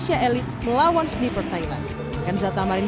saya pikir akan ada banyak negara yang ingin bergabung